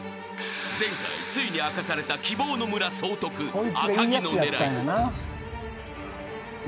［前回についに明かされた希望の村総督赤城の狙い］